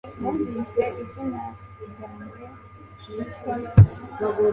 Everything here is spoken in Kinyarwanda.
Numvise izina ryanjye ryitwa